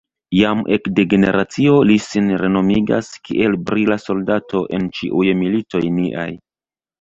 Jam ekde generacio li sin renomigas kiel brila soldato en ĉiuj militoj niaj.